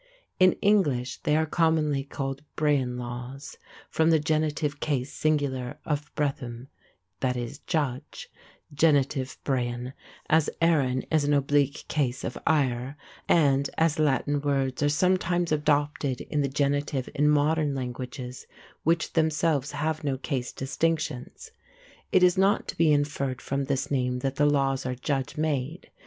In English they are commonly called Brehon Laws, from the genitive case singular of Brethem = "judge", genitive Brethemain (pronounced brehun), as Erin is an oblique case of Eire, and as Latin words are sometimes adopted in the genitive in modern languages which themselves have no case distinctions. It is not to be inferred from this name that the laws are judge made.